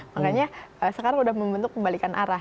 makanya sekarang sudah membentuk pembalikan arah